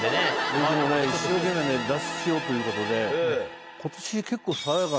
僕もね一生懸命ね脱しようということで今年結構。